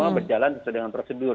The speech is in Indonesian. berjalan sesuai dengan prosedur